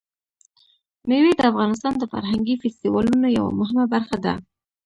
مېوې د افغانستان د فرهنګي فستیوالونو یوه مهمه برخه ده.